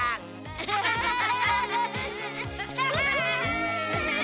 アハハハハ！